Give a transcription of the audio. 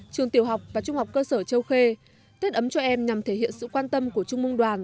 trường tiểu học và trung học cơ sở châu khê tết ấm cho em nhằm thể hiện sự quan tâm của trung mông đoàn